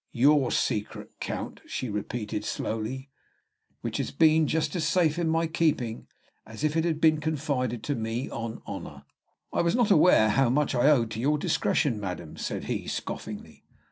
"Your secret, Count," she repeated slowly, "which has been just as safe in my keeping as if it had been confided to me on honor." "I was not aware how much I owed to your discretion, madam," said he, scoffingly.